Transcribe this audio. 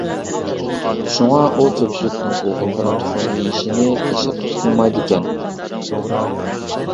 شۇڭا، ئۇ كۆپچىلىكنىڭ ئوغۇل بالا تۇخۇمى يېيىشىنى تەشەببۇس قىلمايدىكەن.